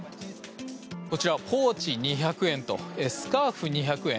こちらポーチ２００円とスカーフ２００円